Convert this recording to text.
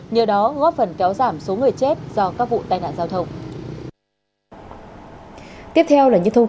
nhờ đó góp phần kéo giảm số người chết do các vụ tai nạn giao thông